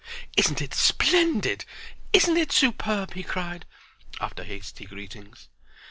"Isn't it splendid? Isn't it superb?" he cried, after hasty greetings.